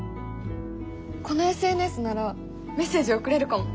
このＳＮＳならメッセージ送れるかも！